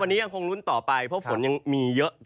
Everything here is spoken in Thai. วันนี้ยังคงลุ้นต่อไปเพราะฝนยังมีเยอะ